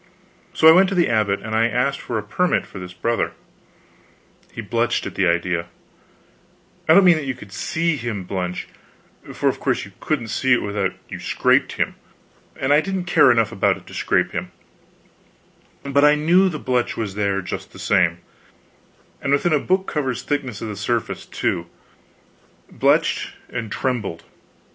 So I went to the abbot and asked for a permit for this Brother. He blenched at the idea I don't mean that you could see him blench, for of course you couldn't see it without you scraped him, and I didn't care enough about it to scrape him, but I knew the blench was there, just the same, and within a book cover's thickness of the surface, too blenched, and trembled.